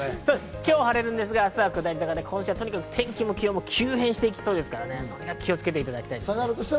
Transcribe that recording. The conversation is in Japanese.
今日は晴れますが、明日は下り坂、今週は天気も気温も急変していきそうですから気をつけていただきたいです。